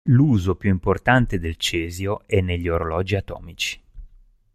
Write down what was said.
L'uso più importante del cesio è negli orologi atomici.